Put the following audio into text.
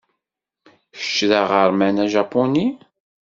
Kečč d aɣerman ajapuni?